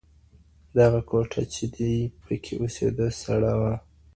دغه کوټه چي دی پکي اوسېده سړه وه.